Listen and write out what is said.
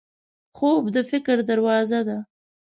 خوب د فکر دروازه ده